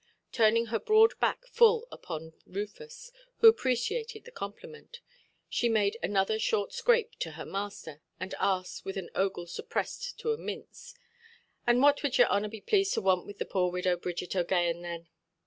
Turning her broad back full upon Rufus, who appreciated the compliment, she made another short scrape to her master, and asked, with an ogle suppressed to a mince— "And what wud your honour be pleased to want with the poor widow, Bridget OʼGaghan, then"?